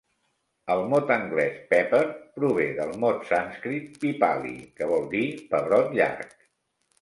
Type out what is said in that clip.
El mot anglès "pepper" prové del mot sànscrit "pippali", que vol dir pebrot llarg.